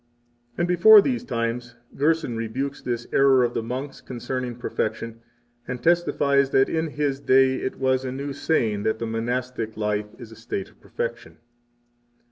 60 And before these times, Gerson rebukes this error of the monks concerning perfection, and testifies that in his day it was a new saying that the monastic life is a state of perfection.